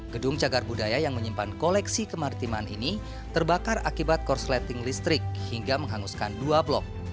gedung cagar budaya yang menyimpan koleksi kemartiman ini terbakar akibat korsleting listrik hingga menghanguskan dua blok